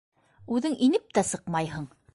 Үҙең инеп тә сыҡмайһың.